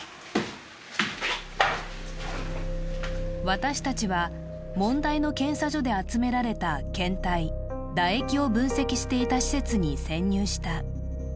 私たちは、問題の検査所で集められた検体＝唾液を分析していた施設に潜入した。